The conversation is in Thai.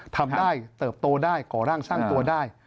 ทำได้เติบโตได้ก่อร่างสร้างตัวได้